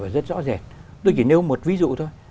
rất rõ rệt tôi chỉ nêu một ví dụ thôi